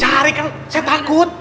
cari kan saya takut